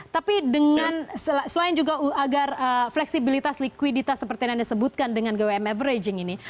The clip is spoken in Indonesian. tapi dengan selain juga agar fleksibilitas likuiditas seperti yang anda sebutkan dengan gwm averaging ini